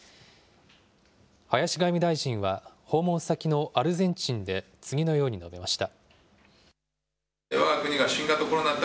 林外務大臣は訪問先のアルゼンチンで、次のように述べました。